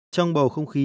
trong bầu không khí